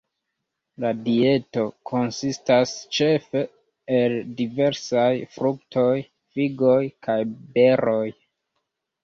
La dieto konsistas ĉefe el diversaj fruktoj, figoj kaj beroj.